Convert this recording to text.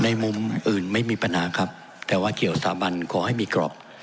มุมอื่นไม่มีปัญหาครับแต่ว่าเกี่ยวสถาบันขอให้มีกรอบ